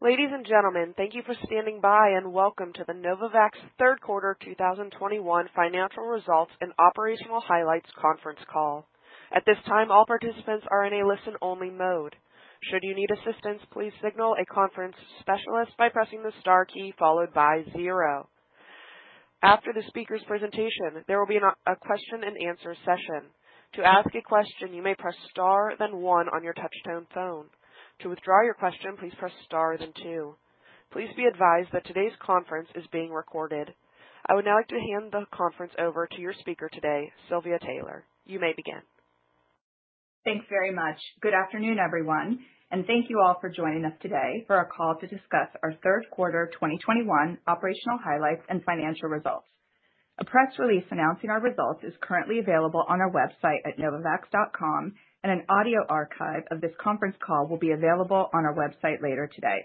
Ladies and gentlemen, thank you for standing by and welcome to the Novavax Third Quarter 2021 Financial Results and Operational Highlights Conference Call. At this time, all participants are in a listen-only mode. Should you need assistance, please signal a conference specialist by pressing the star key followed by zero. After the speaker's presentation, there will be a question-and-answer session. To ask a question, you may press star then one on your touch-tone phone. To withdraw your question, please press star then two. Please be advised that today's conference is being recorded. I would now like to hand the conference over to your speaker today, Silvia Taylor. You may begin. Thanks very much. Good afternoon, everyone, and thank you all for joining us today for our call to discuss our third quarter 2021 operational highlights and financial results. A press release announcing our results is currently available on our website at novavax.com, and an audio archive of this conference call will be available on our website later today.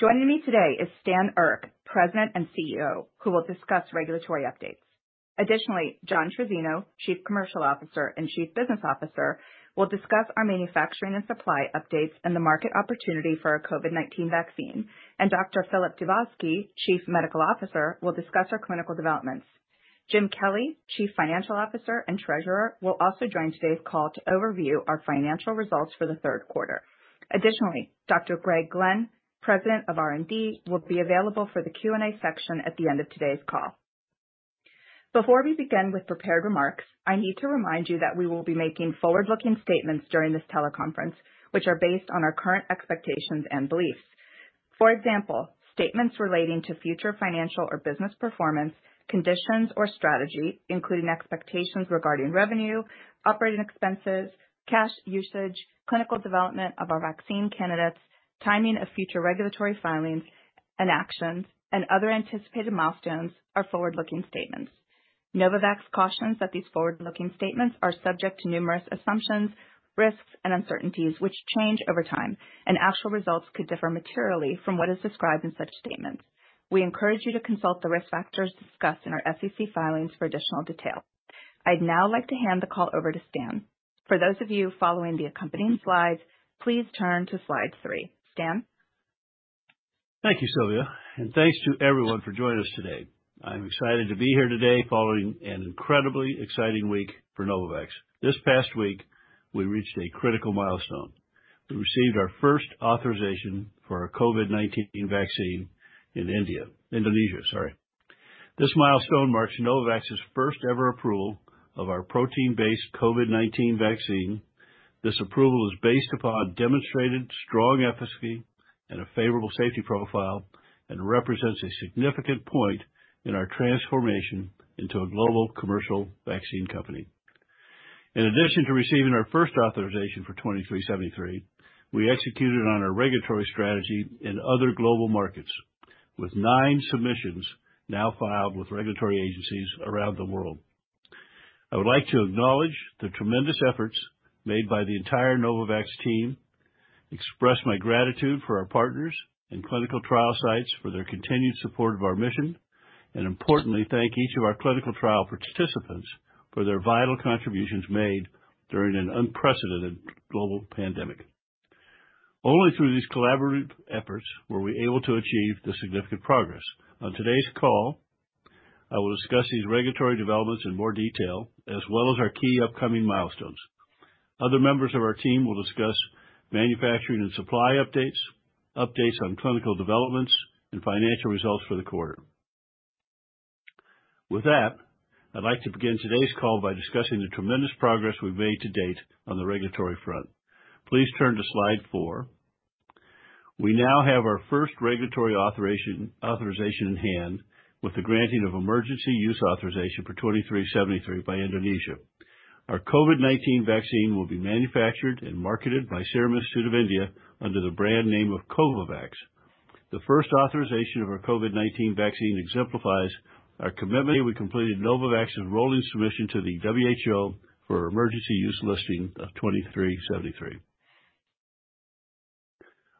Joining me today is Stan Erck, President and CEO, who will discuss regulatory updates. Additionally, John Trizzino, Chief Commercial Officer and Chief Business Officer, will discuss our manufacturing and supply updates and the market opportunity for our COVID-19 vaccine. Dr. Filip Dubovsky, Chief Medical Officer, will discuss our clinical developments. Jim Kelly, Chief Financial Officer and Treasurer, will also join today's call to overview our financial results for the third quarter. Additionally, Dr. Greg Glenn, President of R&D, will be available for the Q&A section at the end of today's call. Before we begin with prepared remarks, I need to remind you that we will be making forward-looking statements during this teleconference, which are based on our current expectations and beliefs. For example, statements relating to future financial or business performance, conditions, or strategy, including expectations regarding revenue, operating expenses, cash usage, clinical development of our vaccine candidates, timing of future regulatory filings and actions, and other anticipated milestones are forward-looking statements. Novavax cautions that these forward-looking statements are subject to numerous assumptions, risks, and uncertainties which change over time, and actual results could differ materially from what is described in such statements. We encourage you to consult the risk factors discussed in our SEC filings for additional detail. I'd now like to hand the call over to Stan. For those of you following the accompanying slides, please turn to slide three. Stan? Thank you, Silvia, and thanks to everyone for joining us today. I'm excited to be here today following an incredibly exciting week for Novavax. This past week we reached a critical milestone. We received our first authorization for our COVID-19 vaccine in Indonesia. This milestone marks Novavax's first ever approval of our protein-based COVID-19 vaccine. This approval is based upon demonstrated strong efficacy and a favorable safety profile and represents a significant point in our transformation into a global commercial vaccine company. In addition to receiving our first authorization for NVX-CoV2373, we executed on our regulatory strategy in other global markets, with nine submissions now filed with regulatory agencies around the world. I would like to acknowledge the tremendous efforts made by the entire Novavax team, express my gratitude for our partners and clinical trial sites for their continued support of our mission, and importantly, thank each of our clinical trial participants for their vital contributions made during an unprecedented global pandemic. Only through these collaborative efforts were we able to achieve this significant progress. On today's call, I will discuss these regulatory developments in more detail, as well as our key upcoming milestones. Other members of our team will discuss manufacturing and supply updates on clinical developments, and financial results for the quarter. With that, I'd like to begin today's call by discussing the tremendous progress we've made to date on the regulatory front. Please turn to slide four. We now have our first regulatory authorization in hand with the granting of emergency use authorization for 2373 by Indonesia. Our COVID-19 vaccine will be manufactured and marketed by Serum Institute of India under the brand name of Covovax. The first authorization of our COVID-19 vaccine exemplifies our commitment. We completed Novavax's rolling submission to the WHO for emergency use listing of 2373.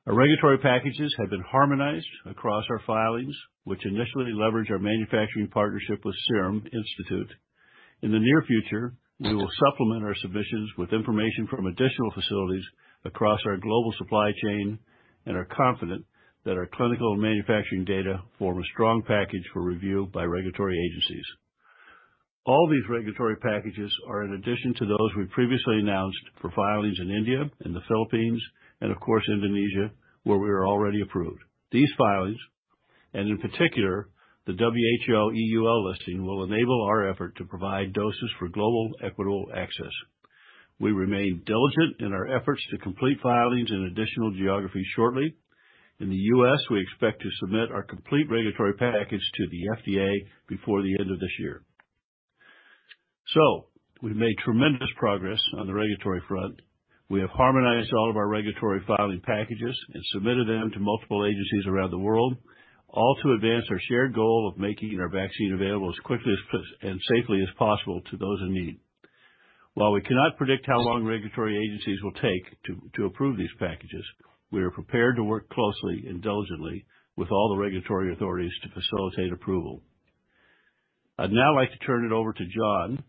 Our regulatory packages have been harmonized across our filings, which initially leverage our manufacturing partnership with Serum Institute. In the near future, we will supplement our submissions with information from additional facilities across our global supply chain and are confident that our clinical and manufacturing data form a strong package for review by regulatory agencies. All these regulatory packages are in addition to those we previously announced for filings in India and the Philippines, and of course, Indonesia, where we are already approved. These filings, and in particular the WHO EUL listing, will enable our effort to provide doses for global equitable access. We remain diligent in our efforts to complete filings in additional geographies shortly. In the U.S., we expect to submit our complete regulatory package to the FDA before the end of this year. We've made tremendous progress on the regulatory front. We have harmonized all of our regulatory filing packages and submitted them to multiple agencies around the world, all to advance our shared goal of making our vaccine available as quickly and safely as possible to those in need. While we cannot predict how long regulatory agencies will take to approve these packages, we are prepared to work closely and diligently with all the regulatory authorities to facilitate approval. I'd now like to turn it over to John,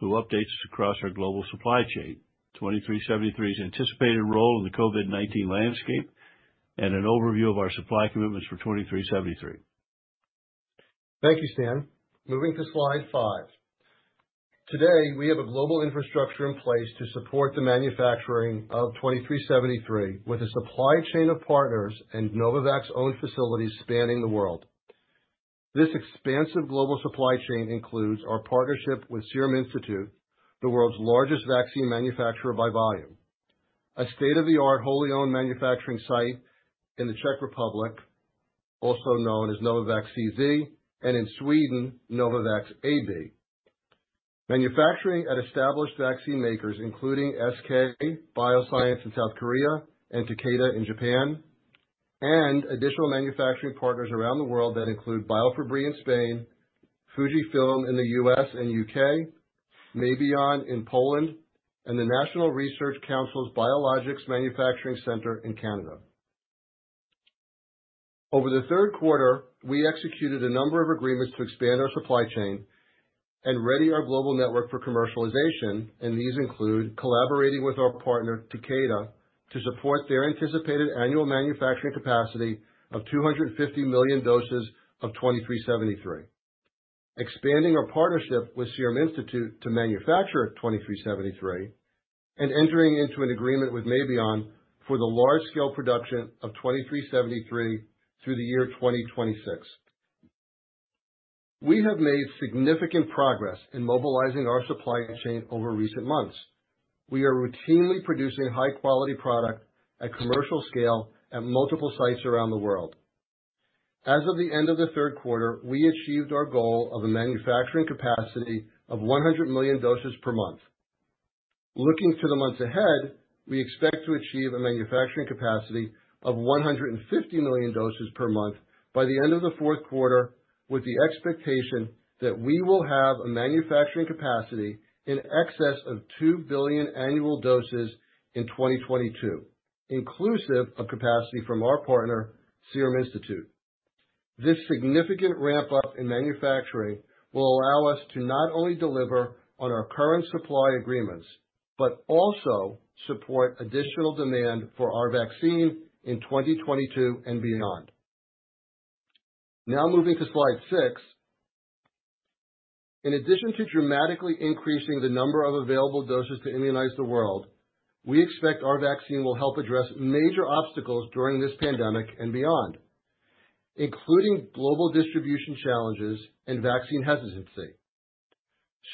who updates us across our global supply chain, 2373's anticipated role in the COVID-19 landscape, and an overview of our supply commitments for 2373. Thank you, Stan. Moving to slide five. Today, we have a global infrastructure in place to support the manufacturing of 2373 with a supply chain of partners and Novavax's own facilities spanning the world. This expansive global supply chain includes our partnership with Serum Institute, the world's largest vaccine manufacturer by volume, a state-of-the-art, wholly-owned manufacturing site in the Czech Republic, also known as Novavax CZ, and in Sweden, Novavax AB, manufacturing at established vaccine makers, including SK bioscience in South Korea and Takeda in Japan, and additional manufacturing partners around the world that include Biofabri in Spain, Fujifilm in the U.S. and U.K., Mabion in Poland, and the National Research Council's Biologics Manufacturing Centre in Canada. Over the third quarter, we executed a number of agreements to expand our supply chain and ready our global network for commercialization. These include collaborating with our partner, Takeda, to support their anticipated annual manufacturing capacity of 250 million doses of NVX-CoV2373. Expanding our partnership with Serum Institute to manufacture NVX-CoV2373, and entering into an agreement with Mabion for the large scale production of NVX-CoV2373 through the year 2026. We have made significant progress in mobilizing our supply chain over recent months. We are routinely producing high quality product at commercial scale at multiple sites around the world. As of the end of the third quarter, we achieved our goal of a manufacturing capacity of 100 million doses per month. Looking to the months ahead, we expect to achieve a manufacturing capacity of 150 million doses per month by the end of the fourth quarter, with the expectation that we will have a manufacturing capacity in excess of 2 billion annual doses in 2022, inclusive of capacity from our partner, Serum Institute. This significant ramp up in manufacturing will allow us to not only deliver on our current supply agreements, but also support additional demand for our vaccine in 2022 and beyond. Now moving to slide six. In addition to dramatically increasing the number of available doses to immunize the world, we expect our vaccine will help address major obstacles during this pandemic and beyond, including global distribution challenges and vaccine hesitancy.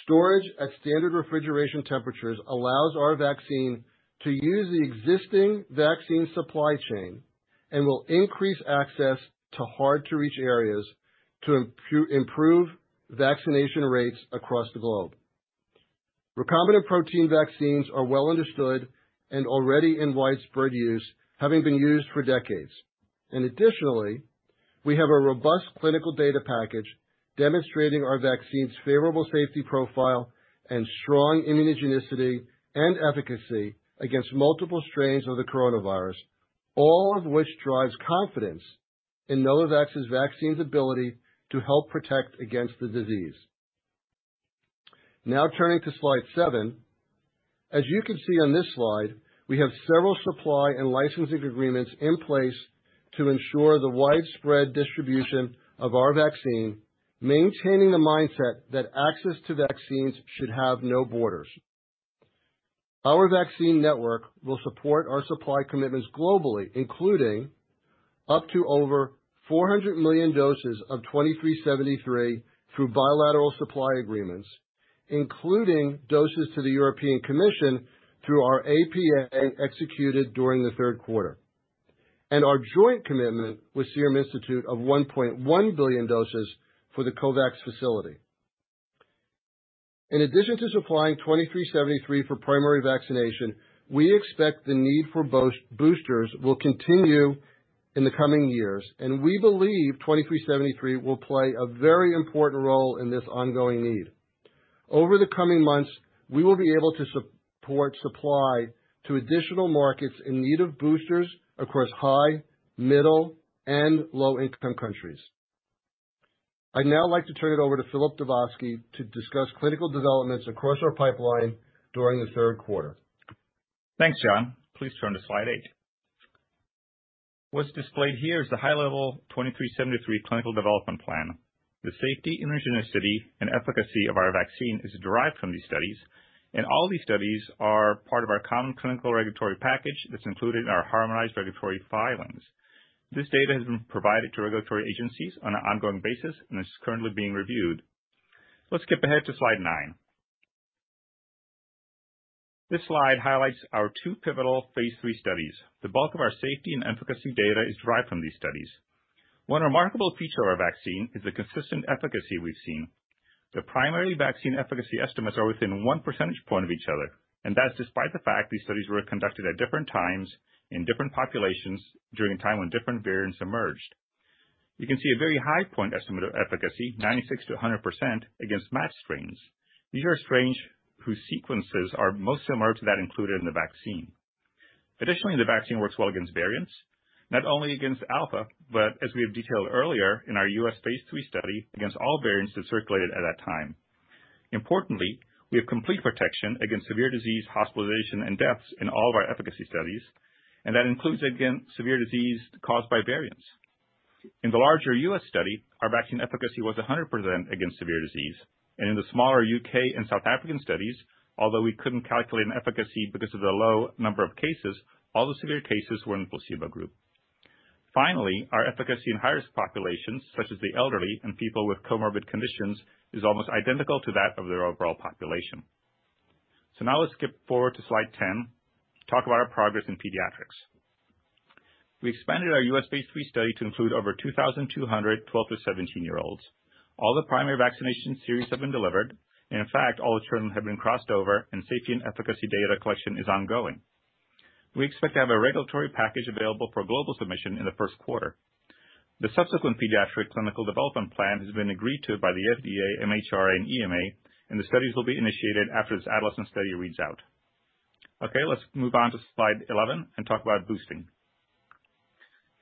Storage at standard refrigeration temperatures allows our vaccine to use the existing vaccine supply chain and will increase access to hard to reach areas to improve vaccination rates across the globe. Recombinant protein vaccines are well understood and already in widespread use, having been used for decades. Additionally, we have a robust clinical data package demonstrating our vaccine's favorable safety profile and strong immunogenicity and efficacy against multiple strains of the coronavirus, all of which drives confidence in Novavax's vaccine's ability to help protect against the disease. Now turning to slide seven. As you can see on this slide, we have several supply and licensing agreements in place to ensure the widespread distribution of our vaccine, maintaining the mindset that access to vaccines should have no borders. Our vaccine network will support our supply commitments globally, including up to over 400 million doses of 2373 through bilateral supply agreements, including doses to the European Commission through our APA executed during the third quarter. Our joint commitment with Serum Institute of 1.1 billion doses for the COVAX facility. In addition to supplying 2373 for primary vaccination, we expect the need for boosters will continue in the coming years, and we believe 2373 will play a very important role in this ongoing need. Over the coming months, we will be able to support supply to additional markets in need of boosters across high, middle, and low income countries. I'd now like to turn it over to Filip Dubovsky to discuss clinical developments across our pipeline during the third quarter. Thanks, John. Please turn to slide eight. What's displayed here is the high level NVX-CoV2373 clinical development plan. The safety, immunogenicity, and efficacy of our vaccine is derived from these studies, and all these studies are part of our common clinical regulatory package that's included in our harmonized regulatory filings. This data has been provided to regulatory agencies on an ongoing basis and is currently being reviewed. Let's skip ahead to slide nine. This slide highlights our two pivotal phase III studies. The bulk of our safety and efficacy data is derived from these studies. One remarkable feature of our vaccine is the consistent efficacy we've seen. The primary vaccine efficacy estimates are within one percentage point of each other, and that's despite the fact these studies were conducted at different times in different populations during a time when different variants emerged. You can see a very high point estimate of efficacy, 96%-100% against matched strains. These are strains whose sequences are most similar to that included in the vaccine. Additionally, the vaccine works well against variants, not only against Alpha, but as we have detailed earlier in our U.S. phase III study, against all variants that circulated at that time. Importantly, we have complete protection against severe disease, hospitalization, and deaths in all of our efficacy studies, and that includes, again, severe disease caused by variants. In the larger U.S. study, our vaccine efficacy was 100% against severe disease. In the smaller U.K. and South African studies, although we couldn't calculate an efficacy because of the low number of cases, all the severe cases were in the placebo group. Finally, our efficacy in high-risk populations, such as the elderly and people with comorbid conditions, is almost identical to that of their overall population. Now let's skip forward to slide 10, talk about our progress in pediatrics. We expanded our US-based phase III study to include over 2,200 12- to 17-year-olds. All the primary vaccination series have been delivered. In fact, all the children have been crossed over, and safety and efficacy data collection is ongoing. We expect to have a regulatory package available for global submission in the first quarter. The subsequent pediatric clinical development plan has been agreed to by the FDA, MHRA, and EMA, and the studies will be initiated after this adolescent study reads out. Okay, let's move on to slide 11 and talk about boosting.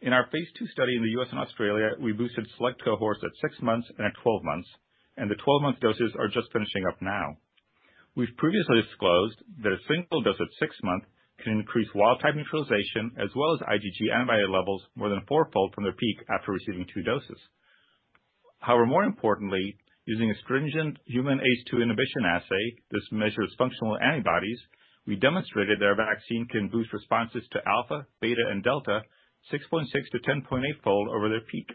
In our phase II study in the U.S. and Australia, we boosted select cohorts at 6 months and at 12 months, and the 12-month doses are just finishing up now. We've previously disclosed that a single dose at 6 months can increase wild-type neutralization as well as IgG antibody levels more than fourfold from their peak after receiving two doses. However, more importantly, using a stringent human ACE2 inhibition assay, this measures functional antibodies, we demonstrated that our vaccine can boost responses to Alpha, Beta, and Delta 6.6- to 10.8-fold over their peak.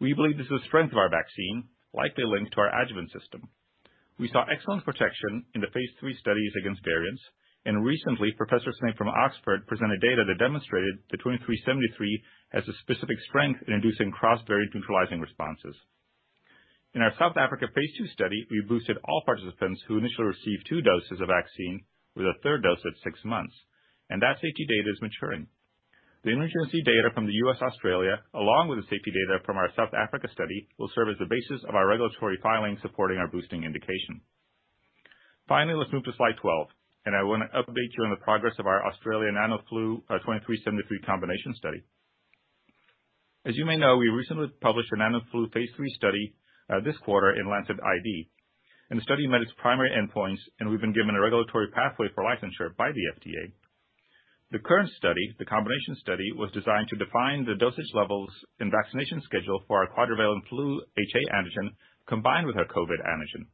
We believe this is the strength of our vaccine, likely linked to our adjuvant system. We saw excellent protection in the phase III studies against variants. Recently, Professor Snape from Oxford presented data that demonstrated that 2373 has a specific strength in inducing cross-variant neutralizing responses. In our South Africa phase II study, we boosted all participants who initially received 2 doses of vaccine with a third dose at six months, and that safety data is maturing. The emergency data from the U.S., Australia, along with the safety data from our South Africa study, will serve as the basis of our regulatory filing supporting our boosting indication. Finally, let's move to slide 12, and I want to update you on the progress of our Australian NanoFlu twenty-three seventy-three combination study. As you may know, we recently published our NanoFlu phase III study this quarter in Lancet ID. The study met its primary endpoints, and we've been given a regulatory pathway for licensure by the FDA. The current study, the combination study, was designed to define the dosage levels and vaccination schedule for our quadrivalent flu HA antigen combined with our COVID antigen.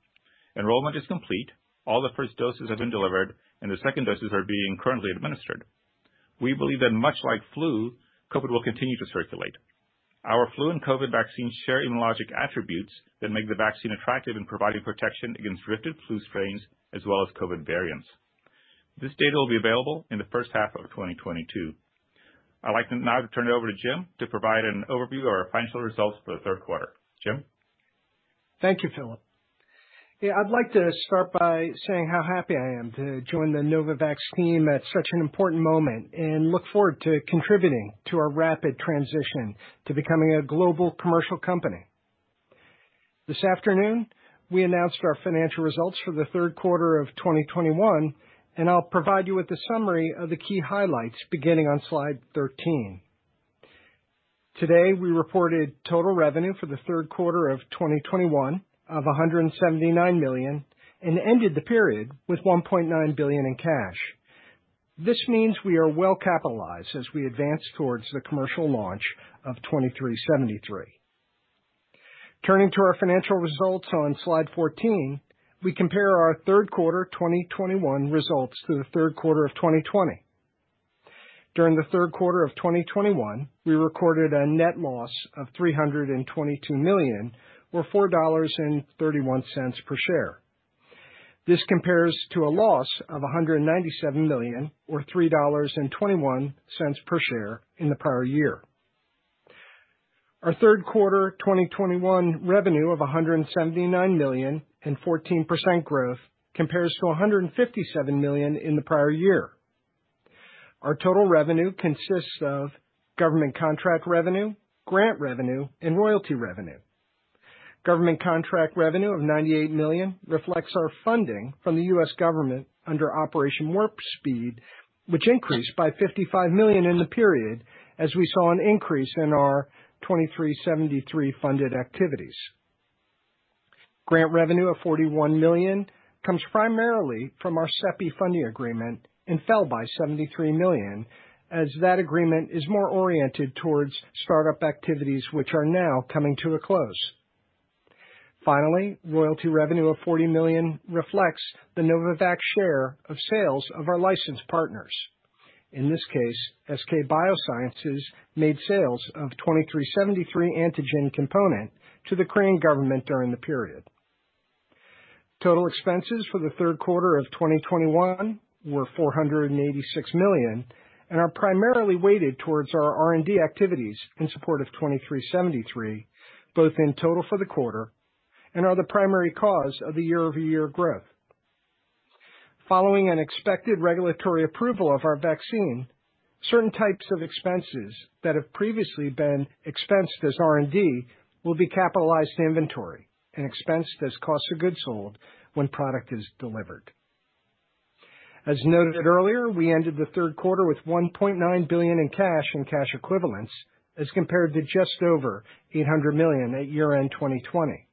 Enrollment is complete. All the first doses have been delivered, and the second doses are being currently administered. We believe that much like flu, COVID will continue to circulate. Our flu and COVID vaccines share immunologic attributes that make the vaccine attractive in providing protection against drifted flu strains as well as COVID variants. This data will be available in the first half of 2022. I'd like now to turn it over to Jim to provide an overview of our financial results for the third quarter. Jim? Thank you, Filip. Yeah, I'd like to start by saying how happy I am to join the Novavax team at such an important moment, and look forward to contributing to our rapid transition to becoming a global commercial company. This afternoon, we announced our financial results for the third quarter of 2021, and I'll provide you with a summary of the key highlights beginning on slide 13. Today, we reported total revenue for the third quarter of 2021 of $179 million, and ended the period with $1.9 billion in cash. This means we are well capitalized as we advance towards the commercial launch of 2373. Turning to our financial results on slide 14, we compare our third quarter 2021 results to the third quarter of 2020. During the third quarter of 2021, we recorded a net loss of $322 million or $4.31 per share. This compares to a loss of $197 million or $3.21 per share in the prior year. Our third quarter 2021 revenue of $179 million and 14% growth compares to $157 million in the prior year. Our total revenue consists of government contract revenue, grant revenue, and royalty revenue. Government contract revenue of $98 million reflects our funding from the U.S. government under Operation Warp Speed, which increased by $55 million in the period as we saw an increase in our 2373 funded activities. Grant revenue of $41 million comes primarily from our CEPI funding agreement and fell by $73 million, as that agreement is more oriented towards start-up activities which are now coming to a close. Finally, royalty revenue of $40 million reflects the Novavax share of sales of our licensed partners. In this case, SK Bioscience made sales of 2373 antigen component to the Korean government during the period. Total expenses for the third quarter of 2021 were $486 million and are primarily weighted towards our R&D activities in support of 2373, both in total for the quarter, and are the primary cause of the year-over-year growth. Following an expected regulatory approval of our vaccine. Certain types of expenses that have previously been expensed as R&D will be capitalized to inventory and expensed as cost of goods sold when product is delivered. As noted earlier, we ended the third quarter with $1.9 billion in cash and cash equivalents as compared to just over $800 million at year-end 2020.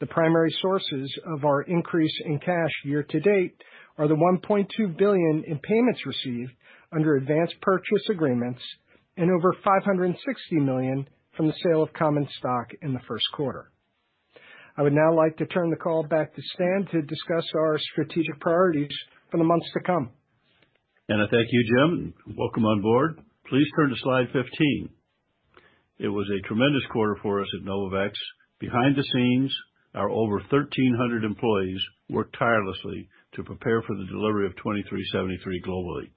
The primary sources of our increase in cash year to date are the $1.2 billion in payments received under advanced purchase agreements and over $560 million from the sale of common stock in the first quarter. I would now like to turn the call back to Stan to discuss our strategic priorities for the months to come. And I thank you, Jim, and welcome on board. Please turn to slide 15. It was a tremendous quarter for us at Novavax. Behind the scenes, our over 1,300 employees worked tirelessly to prepare for the delivery of 2373 globally.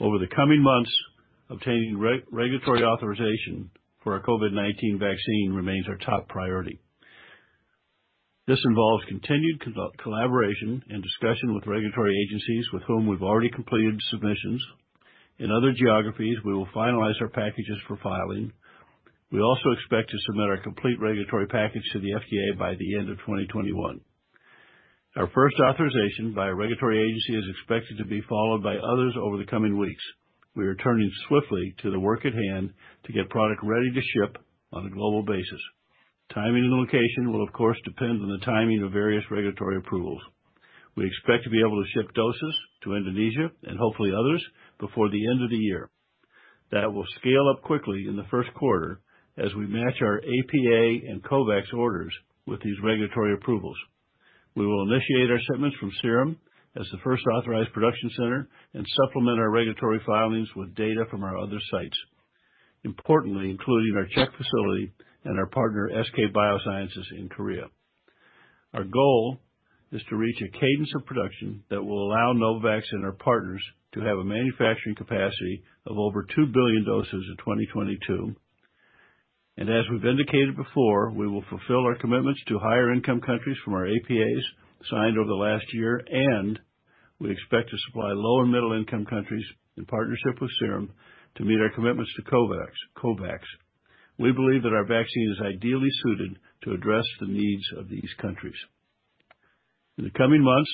Over the coming months, obtaining regulatory authorization for our COVID-19 vaccine remains our top priority. This involves continued collaboration and discussion with regulatory agencies with whom we've already completed submissions. In other geographies, we will finalize our packages for filing. We also expect to submit our complete regulatory package to the FDA by the end of 2021. Our first authorization by a regulatory agency is expected to be followed by others over the coming weeks. We are turning swiftly to the work at hand to get product ready to ship on a global basis. Timing and location will of course depend on the timing of various regulatory approvals. We expect to be able to ship doses to Indonesia and hopefully others before the end of the year. That will scale up quickly in the first quarter as we match our APA and COVAX orders with these regulatory approvals. We will initiate our shipments from Serum as the first authorized production center and supplement our regulatory filings with data from our other sites, importantly, including our Czech facility and our partner SK bioscience in Korea. Our goal is to reach a cadence of production that will allow Novavax and our partners to have a manufacturing capacity of over 2 billion doses in 2022. As we've indicated before, we will fulfill our commitments to higher income countries from our APAs signed over the last year, and we expect to supply low and middle income countries in partnership with Serum to meet our commitments to COVAX. We believe that our vaccine is ideally suited to address the needs of these countries. In the coming months,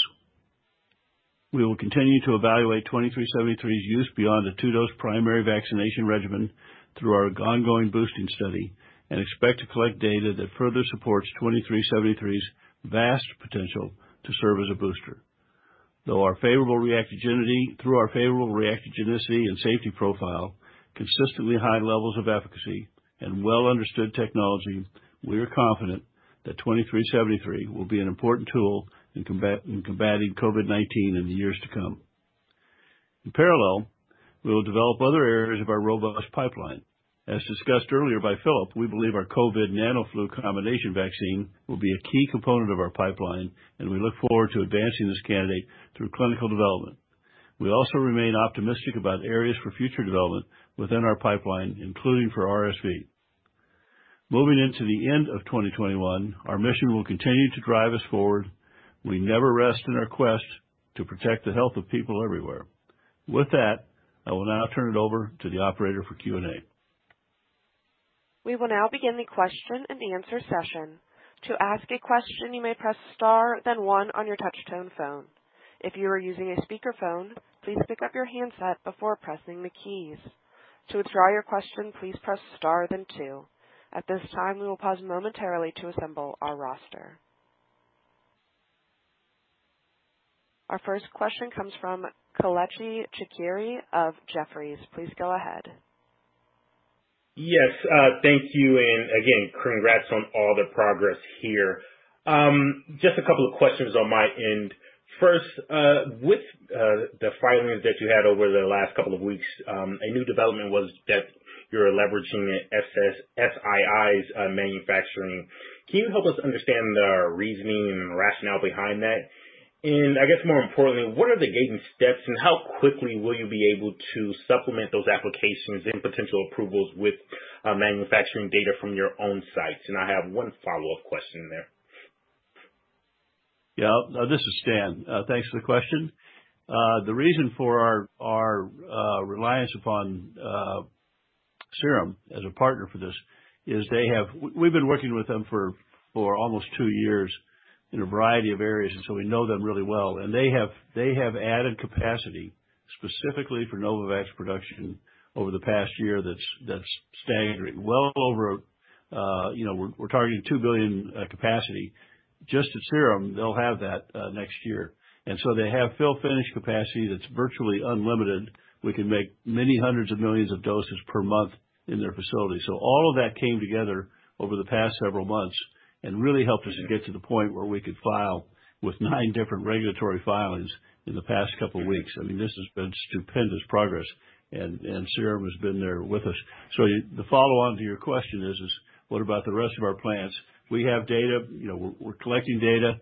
we will continue to evaluate 2373's use beyond a two-dose primary vaccination regimen through our ongoing boosting study, and expect to collect data that further supports 2373's vast potential to serve as a booster. Through our favorable reactogenicity and safety profile, consistently high levels of efficacy, and well understood technology, we are confident that 2373 will be an important tool in combating COVID-19 in the years to come. In parallel, we will develop other areas of our robust pipeline. As discussed earlier by Filip, we believe our COVID NanoFlu combination vaccine will be a key component of our pipeline, and we look forward to advancing this candidate through clinical development. We also remain optimistic about areas for future development within our pipeline, including for RSV. Moving into the end of 2021, our mission will continue to drive us forward. We never rest in our quest to protect the health of people everywhere. With that, I will now turn it over to the operator for Q&A. We will now begin the question and answer session. To ask a question, you may press star, then one on your touch tone phone. If you are using a speaker phone, please pick up your handset before pressing the keys. To withdraw your question, please press star then two. At this time, we will pause momentarily to assemble our roster. Our first question comes from Kelechi Chikere of Jefferies. Please go ahead. Yes, thank you. Again, congrats on all the progress here. Just a couple of questions on my end. First, with the filings that you had over the last couple of weeks, a new development was that you're leveraging SII's manufacturing. Can you help us understand the reasoning and rationale behind that? I guess more importantly, what are the gating steps and how quickly will you be able to supplement those applications and potential approvals with manufacturing data from your own sites? I have one follow-up question there. Yeah. This is Stan. Thanks for the question. The reason for our reliance upon Serum as a partner for this is that they have. We've been working with them for two years in a variety of areas, and so we know them really well. They have added capacity specifically for Novavax production over the past year that's staggering. Well over, you know, we're targeting 2 billion capacity. Just at Serum, they'll have that next year. They have fill finish capacity that's virtually unlimited. We can make many hundreds of millions of doses per month in their facility. All of that came together over the past several months and really helped us to get to the point where we could file with nine different regulatory filings in the past couple weeks. I mean, this has been stupendous progress. Serum has been there with us. The follow on to your question is, what about the rest of our plants? We have data. You know, we're collecting data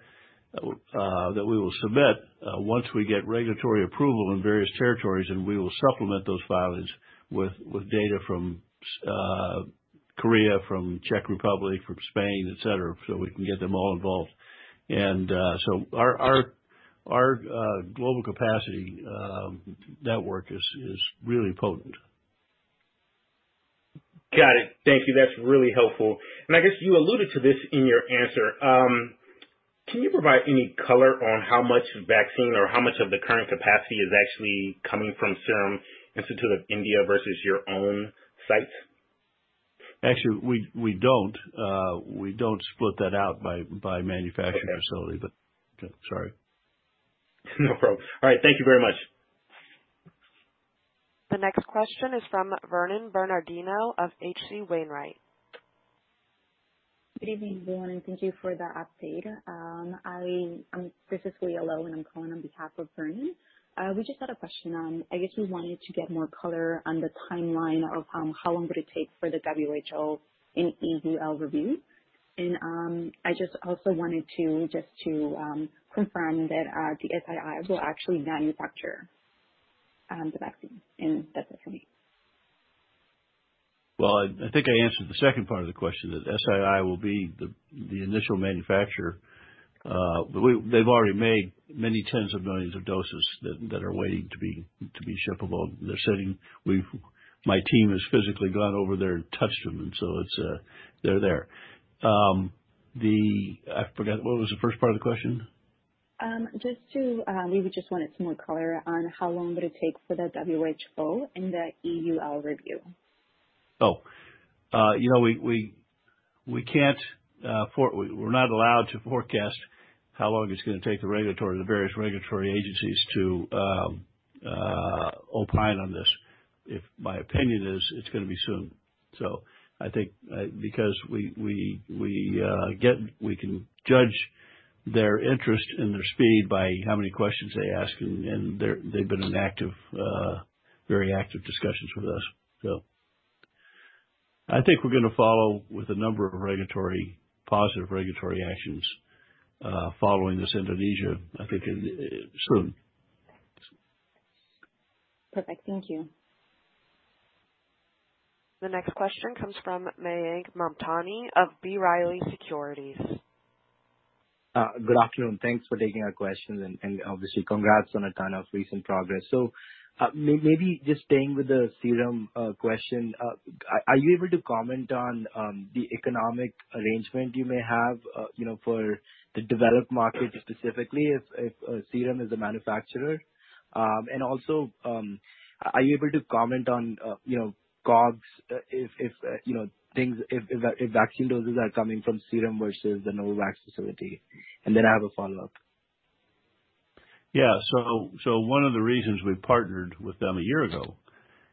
that we will submit once we get regulatory approval in various territories, and we will supplement those filings with data from Korea, from Czech Republic, from Spain, et cetera, so we can get them all involved. Our global capacity network is really potent. Got it. Thank you. That's really helpful. I guess you alluded to this in your answer. Can you provide any color on how much vaccine or how much of the current capacity is actually coming from Serum Institute of India versus your own sites? Actually, we don't split that out by manufacturing. Okay. Sorry. No problem. All right. Thank you very much. The next question is from Vernon Bernardino of H.C. Wainwright. Good evening, Vernon. Thank you for the update. This is Lai Lo, and I'm calling on behalf of Vernon. We just had a question on, I guess we wanted to get more color on the timeline of how long would it take for the WHO and EUL review. I just also wanted to confirm that the SII will actually manufacture the vaccine. That's it for me. Well, I think I answered the second part of the question, that SII will be the initial manufacturer. They've already made many tens of millions of doses that are waiting to be shippable. They're sitting. My team has physically gone over there and touched them, and so it's. They're there. I forgot. What was the first part of the question? We just wanted some more color on how long would it take for the WHO and the EUL review? You know, we can't forecast how long it's gonna take the various regulatory agencies to opine on this. My opinion is it's gonna be soon. I think, because we can judge their interest and their speed by how many questions they ask, and they've been in very active discussions with us. I think we're gonna follow with a number of positive regulatory actions following this Indonesia, I think in soon. Perfect. Thank you. The next question comes from Mayank Mamtani of B. Riley Securities. Good afternoon. Thanks for taking our questions, and obviously congrats on a ton of recent progress. Maybe just staying with the Serum question. Are you able to comment on the economic arrangement you may have, you know, for the developed markets specifically if Serum is a manufacturer? And also, are you able to comment on, you know, COGS, if vaccine doses are coming from Serum versus the Novavax facility? And then I have a follow-up. Yeah. One of the reasons we partnered with them a year ago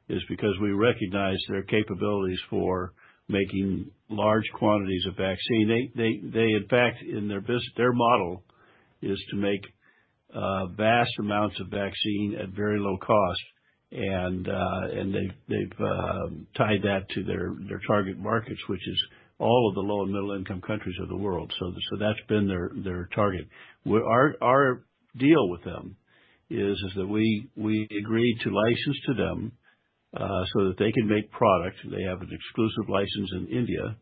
is because we recognized their capabilities for making large quantities of vaccine. They in fact, their model is to make vast amounts of vaccine at very low cost. They've tied that to their target markets, which is all of the low and middle income countries of the world. That's been their target. Our deal with them is that we agreed to license to them so that they can make product. They have an exclusive license in India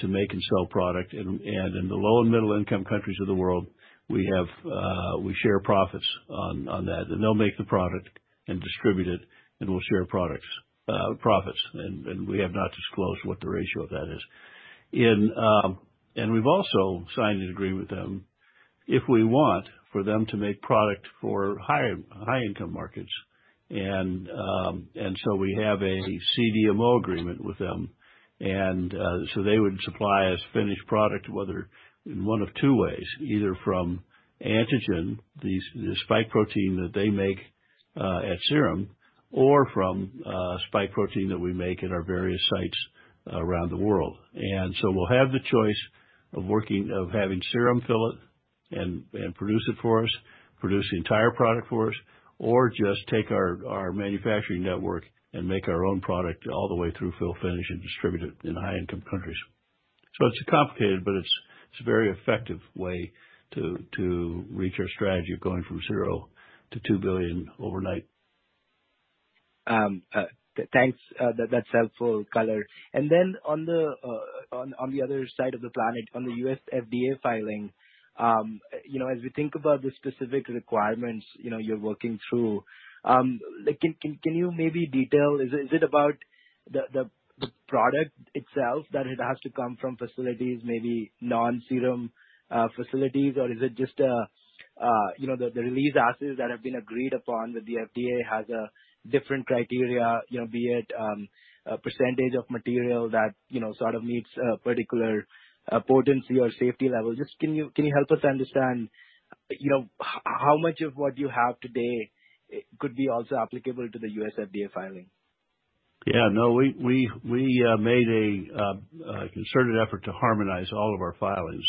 to make and sell product. In the low and middle income countries of the world, we share profits on that. They'll make the product and distribute it, and we'll share products, profits, and we have not disclosed what the ratio of that is. We've also signed an agreement with them if we want for them to make product for higher, high income markets. We have a CDMO agreement with them. They would supply us finished product, whether in one of two ways, either from antigen, the spike protein that they make at Serum, or from spike protein that we make at our various sites around the world. We'll have the choice of working, of having Serum fill it and produce the entire product for us, or just take our manufacturing network and make our own product all the way through fill, finish, and distribute it in high-income countries. It's complicated, but it's a very effective way to reach our strategy of going from zero to 2 billion overnight. Thanks. That's helpful color. On the other side of the planet, on the U.S. FDA filing, you know, as we think about the specific requirements, you know, you're working through, like, can you maybe detail, is it about the product itself that it has to come from facilities, maybe non-Serum facilities? Or is it just, you know, the release assays that have been agreed upon that the FDA has a different criteria, you know, be it a percentage of material that, you know, sort of, meets a particular potency or safety level? Just, can you help us understand, you know, how much of what you have today could be also applicable to the U.S. FDA filing? Yeah, no. We made a concerted effort to harmonize all of our filings.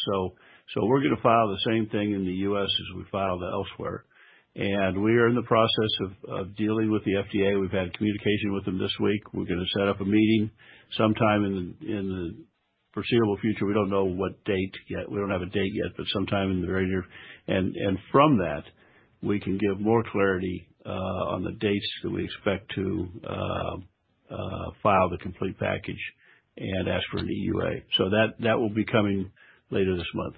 We're gonna file the same thing in the U.S. as we filed elsewhere. We are in the process of dealing with the FDA. We've had communication with them this week. We're gonna set up a meeting sometime in the foreseeable future, we don't know what date yet. We don't have a date yet, but sometime in the very near. From that we can give more clarity on the dates that we expect to file the complete package and ask for an EUA. That will be coming later this month.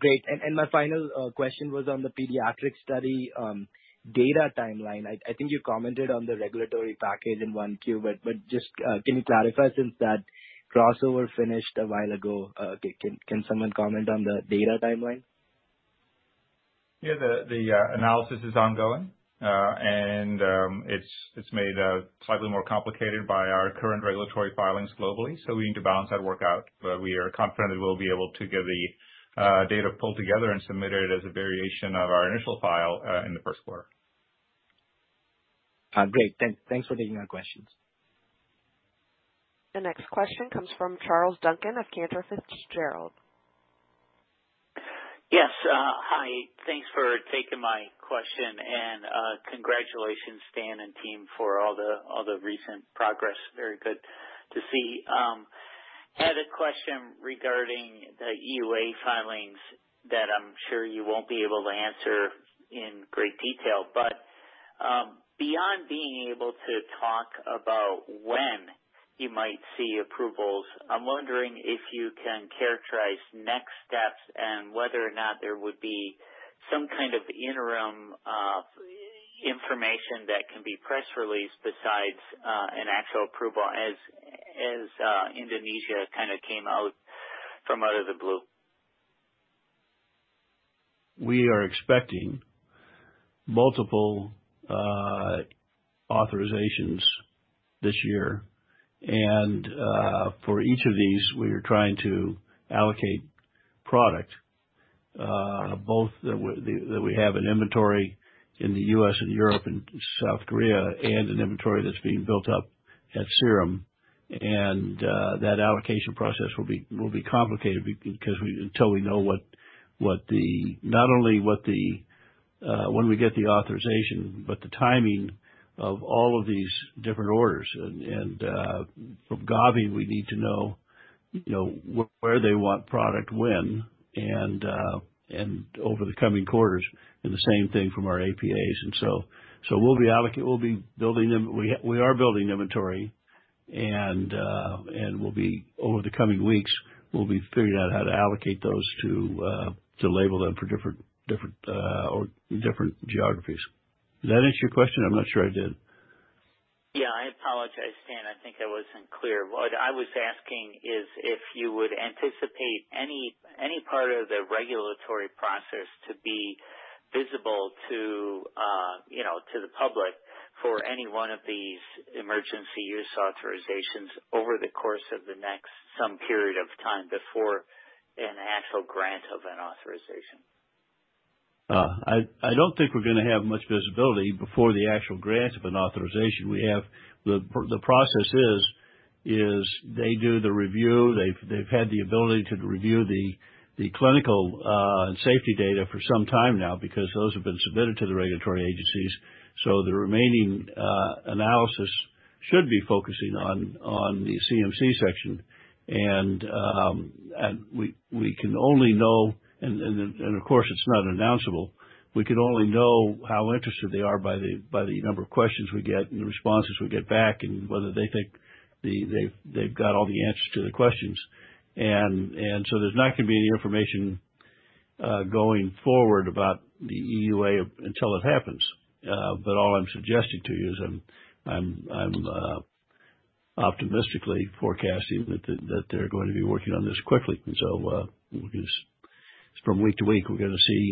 Great. My final question was on the pediatric study data timeline. I think you commented on the regulatory package in one Q, but just can you clarify since that crossover finished a while ago, can someone comment on the data timeline? Yeah. The analysis is ongoing, and it's made slightly more complicated by our current regulatory filings globally. We need to balance that work out, but we are confident we'll be able to get the data pulled together and submit it as a variation of our initial file in the first quarter. Great. Thanks for taking our questions. The next question comes from Charles Duncan of Cantor Fitzgerald. Yes. Hi, thanks for taking my question and, congratulations, Stan and team for all the recent progress. Very good to see. Had a question regarding the EUA filings that I'm sure you won't be able to answer in great detail, but, beyond being able to talk about when you might see approvals, I'm wondering if you can characterize next steps and whether or not there would be some kind of interim information that can be press released besides an actual approval as Indonesia kind of came out from out of the blue. We are expecting multiple authorizations this year. For each of these, we are trying to allocate product, both that we have in inventory in the U.S. and Europe and South Korea, and an inventory that's being built up at Serum. That allocation process will be complicated because until we know not only when we get the authorization, but the timing of all of these different orders. From Gavi, we need to know, you know, where they want product when and over the coming quarters, and the same thing from our APAs. We are building inventory and, over the coming weeks, we'll be figuring out how to allocate those, to label them for different geographies. Does that answer your question? I'm not sure I did. Yeah. I apologize, Stan. I think I wasn't clear. What I was asking is if you would anticipate any part of the regulatory process to be visible to, you know, to the public for any one of these emergency use authorizations over the course of the next some period of time before an actual grant of an authorization. I don't think we're gonna have much visibility before the actual grant of an authorization. The process is they do the review. They've had the ability to review the clinical safety data for some time now because those have been submitted to the regulatory agencies. The remaining analysis should be focusing on the CMC section. We can only know, of course, it's not announceable, how interested they are by the number of questions we get and the responses we get back and whether they think they've got all the answers to the questions. There's not gonna be any information going forward about the EUA until it happens. All I'm suggesting to you is I'm optimistically forecasting that they're going to be working on this quickly. Just from week to week we're gonna see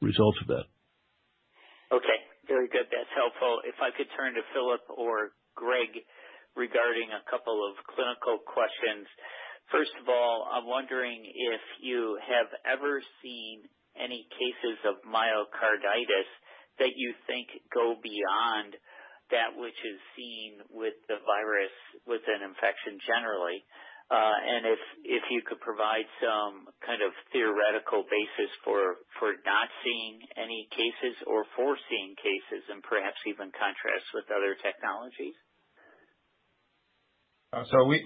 results of that. Okay. Very good. That's helpful. If I could turn to Filip or Greg regarding a couple of clinical questions. First of all, I'm wondering if you have ever seen any cases of myocarditis that you think go beyond that which is seen with the virus with an infection generally. If you could provide some kind of theoretical basis for not seeing any cases or foreseeing cases and perhaps even contrast with other technologies.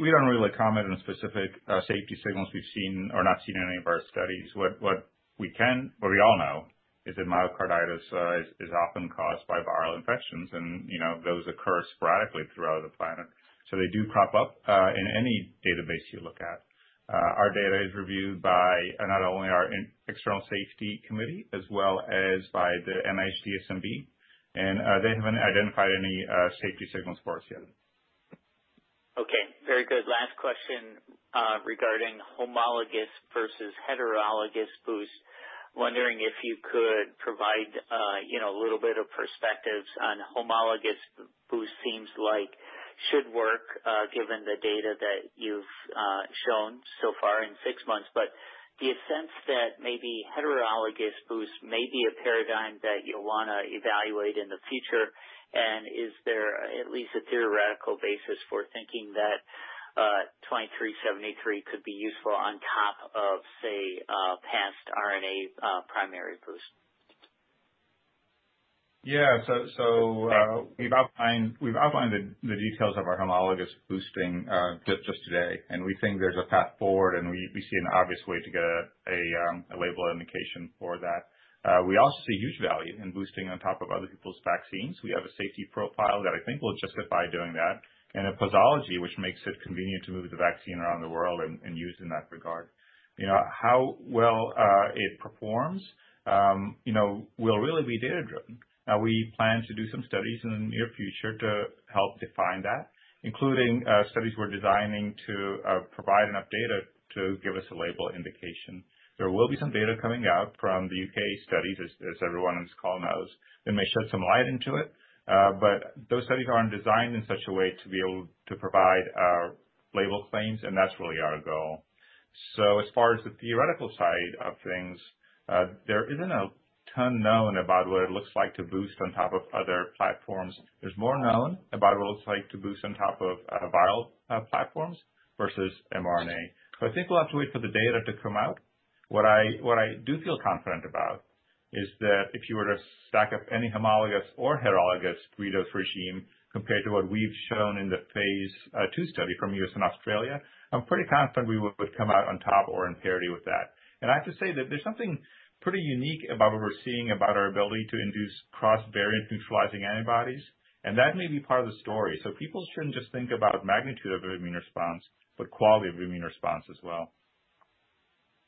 We don't really comment on specific safety signals we've seen or not seen in any of our studies. What we can, what we all know is that myocarditis is often caused by viral infections and, you know, those occur sporadically throughout the planet, so they do crop up in any database you look at. Our data is reviewed by not only our internal-external safety committee as well as by the NIH DSMB and they haven't identified any safety signals for us yet. Okay. Very good. Last question regarding homologous versus heterologous boost. Wondering if you could provide, you know, a little bit of perspectives on homologous boost seems like should work given the data that you've shown so far in six months. The sense that maybe heterologous boost may be a paradigm that you wanna evaluate in the future, and is there at least a theoretical basis for thinking that 2373 could be useful on top of, say, past RNA primary boost? Yeah. We've outlined the details of our homologous boosting just today. We think there's a path forward, and we see an obvious way to get a label indication for that. We also see huge value in boosting on top of other people's vaccines. We have a safety profile that I think will justify doing that, and a posology which makes it convenient to move the vaccine around the world and use in that regard. You know, how well it performs, you know, will really be data-driven. We plan to do some studies in the near future to help define that, including studies we're designing to provide enough data to give us a label indication. There will be some data coming out from the U.K. studies, as everyone on this call knows, that may shed some light into it. Those studies aren't designed in such a way to be able to provide our label claims, and that's really our goal. As far as the theoretical side of things, there isn't a ton known about what it looks like to boost on top of other platforms. There's more known about what it looks like to boost on top of viral platforms versus mRNA. I think we'll have to wait for the data to come out. What I do feel confident about is that if you were to stack up any homologous or heterologous three-dose regimen compared to what we've shown in the phase II study from U.S. and Australia, I'm pretty confident we would come out on top or in parity with that. I have to say that there's something pretty unique about what we're seeing about our ability to induce cross-variant neutralizing antibodies, and that may be part of the story. People shouldn't just think about magnitude of immune response, but quality of immune response as well.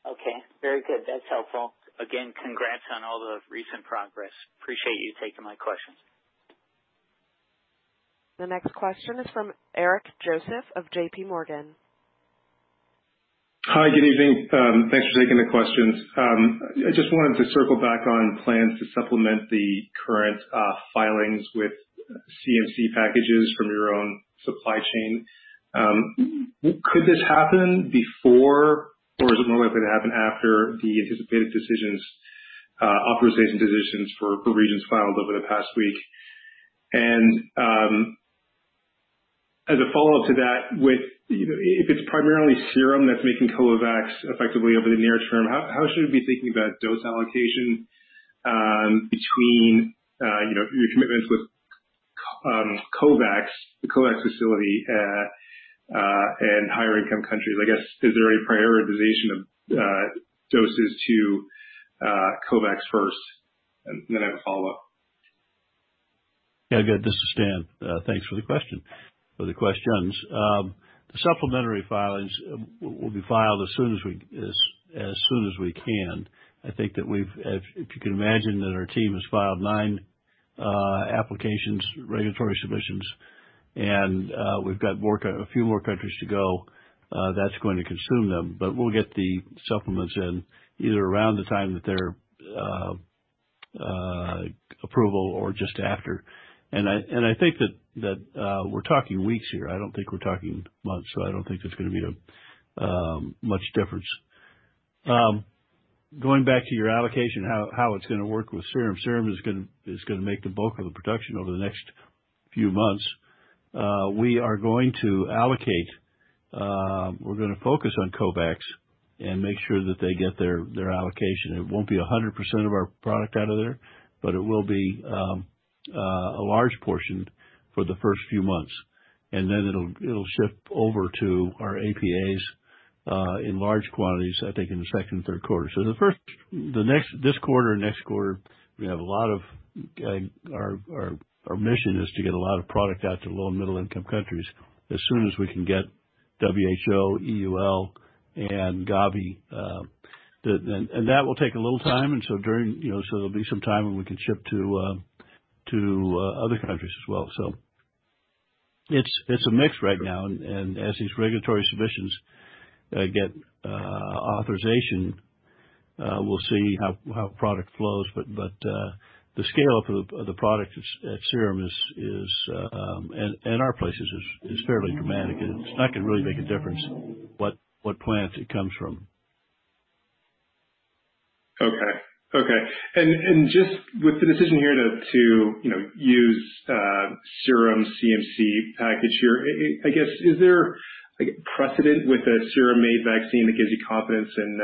Okay, very good. That's helpful. Again, congrats on all the recent progress. Appreciate you taking my questions. The next question is from Eric Joseph of JPMorgan. Hi, good evening. Thanks for taking the questions. I just wanted to circle back on plans to supplement the current filings with CMC packages from your own supply chain. Could this happen before or is it more likely to happen after the anticipated decisions, authorization decisions for regions filed over the past week? As a follow-up to that, with you know, if it's primarily serum that's making COVAX effectively over the nearest term, how should we be thinking about dose allocation between you know, your commitments with COVAX, the COVAX facility, and higher income countries? I guess, is there any prioritization of doses to COVAX first? And then I have a follow-up. Yeah, good. This is Stan. Thanks for the question or the questions. The supplementary filings will be filed as soon as we can. I think that if you can imagine that our team has filed nine applications, regulatory submissions, and we've got a few more countries to go, that's going to consume them. But we'll get the supplements in either around the time that their approval or just after. I think that we're talking weeks here. I don't think we're talking months, so I don't think there's gonna be a much difference. Going back to your allocation, how it's gonna work with Serum. Serum is gonna make the bulk of the production over the next few months. We are going to allocate, we're gonna focus on COVAX and make sure that they get their allocation. It won't be 100% of our product out of there, but it will be a large portion for the first few months. Then it'll shift over to our APAs in large quantities, I think in the second and third quarter. This quarter, next quarter, our mission is to get a lot of product out to low- and middle-income countries as soon as we can get WHO, EUL and Gavi, and that will take a little time. During, you know, there'll be some time when we can ship to other countries as well. It's a mix right now and as these regulatory submissions get authorization, we'll see how product flows. The scale of the product at Serum is, and our plants, is fairly dramatic, and it's not gonna really make a difference what plant it comes from. Okay. Just with the decision here to you know use Serum's CMC package here, I guess is there like precedent with a Serum-made vaccine that gives you confidence in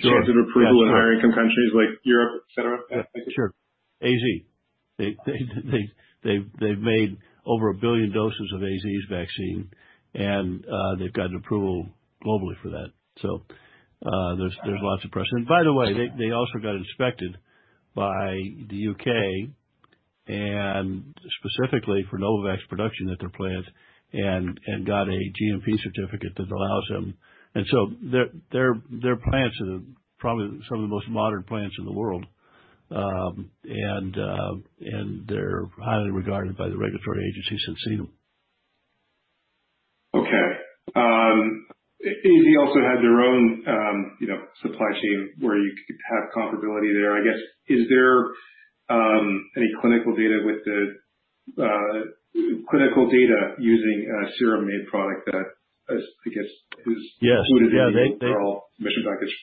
Sure. Chance of approval in higher income countries like Europe, et cetera? Sure. AZ. They've made over 1 billion doses of AZ's vaccine and they've got an approval globally for that. So there's lots of precedent. By the way, they also got inspected by the U.K. and specifically for Novavax production at their plant and got a GMP certificate that allows them. Their plants are probably some of the most modern plants in the world. They're highly regarded by the regulatory agencies that's seen them. Okay. AZ also have their own, you know, supply chain where you could have comparability there. I guess, is there any clinical data using a Serum-made product that is, I guess, is- Yes. Yeah, they. Included in the overall mission package?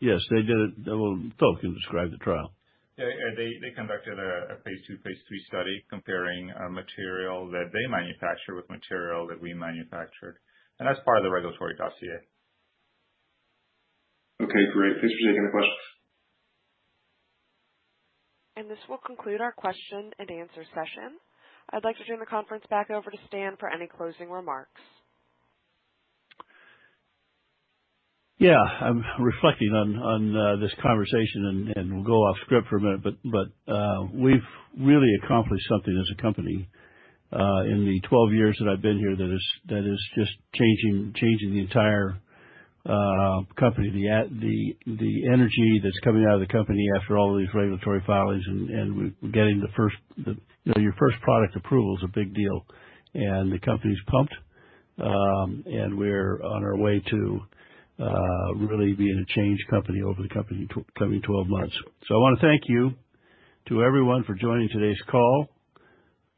Yes, they did it. Well, Phil can describe the trial. Yeah. They conducted a phase II, phase III study comparing a material that they manufacture with material that we manufacture. That's part of the regulatory dossier. Okay, great. Thanks for taking the question. This will conclude our question and answer session. I'd like to turn the conference back over to Stan for any closing remarks. Yeah. I'm reflecting on this conversation and we'll go off script for a minute. We've really accomplished something as a company in the 12 years that I've been here that is just changing the entire company. The energy that's coming out of the company after all these regulatory filings and we're getting the first, you know, your first product approval is a big deal. The company's pumped and we're on our way to really being a changed company over the coming 12 months. I wanna thank you to everyone for joining today's call.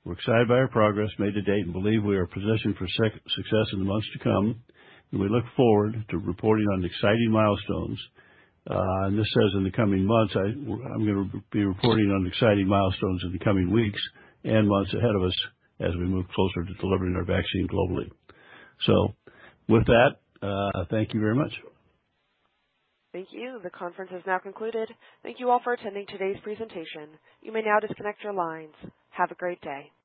We're excited by our progress made to date and believe we are positioned for success in the months to come. We look forward to reporting on exciting milestones. This says in the coming months. I'm gonna be reporting on exciting milestones in the coming weeks and months ahead of us as we move closer to delivering our vaccine globally. With that, thank you very much. Thank you. The conference has now concluded. Thank you all for attending today's presentation. You may now disconnect your lines. Have a great day.